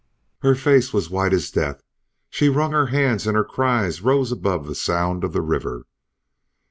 Her face was white as death; she wrung her hands and her cries rose above the sound of the river.